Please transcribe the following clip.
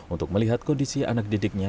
untuk melihat kondisi anak didiknya